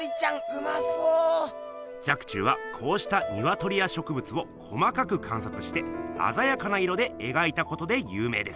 若冲はこうしたにわとりやしょくぶつを細かくかんさつしてあざやかな色でえがいたことでゆう名です。